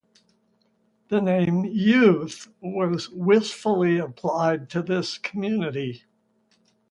The name Youth was "wistfully" applied to this community.